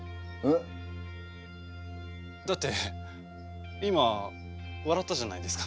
だって今笑ったじゃないですか。